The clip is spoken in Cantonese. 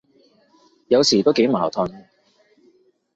有時都幾矛盾，